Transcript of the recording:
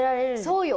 そうよ